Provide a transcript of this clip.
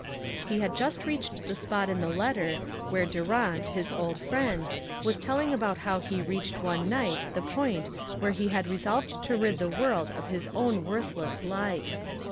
He had just reached the spot in the let ter where Durant, his old friend, was tell ing about how he readied one night the point where .he had resolved to rid the world of his own worthless life.